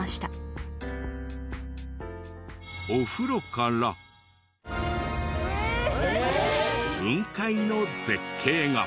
お風呂から雲海の絶景が。